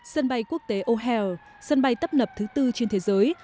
sân bay quốc tế o hare sân bay tấp nập thứ tư trên thế giới